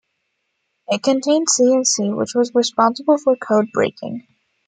It contained "C and C", which was responsible for code breaking.